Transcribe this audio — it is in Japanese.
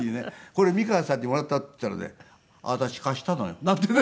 これ美川さんにもらったって言ったらね「私貸したのよ」なんてね。